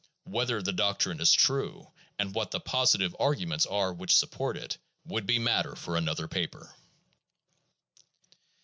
"Whether the doctrine is true, and what the positive arguments are which sup port it, would be matter for another paper.